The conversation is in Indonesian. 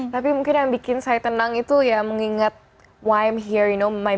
tapi mungkin yang bikin saya tenang itu mengingat mengapa saya di sini